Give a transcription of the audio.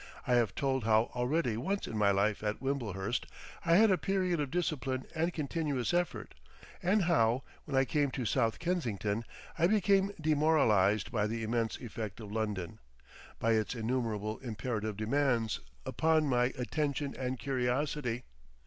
I have told how already once in my life at Wimblehurst I had a period of discipline and continuous effort, and how, when I came to South Kensington, I became demoralised by the immense effect of London, by its innumerable imperative demands upon my attention and curiosity.